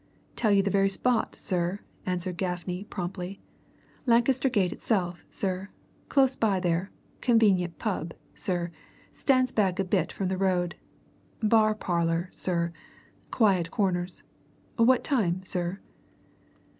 "Tell you the very spot, sir," answered Gaffney promptly. "Lancaster Gate itself, sir. Close by there, convenient pub, sir stands back a bit from the road. Bar parlour, sir quiet corners. What time, sir?"